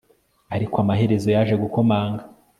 Ariko amaherezo yaje gukomanga